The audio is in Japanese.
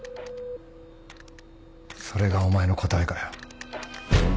それがお前の答えかよ？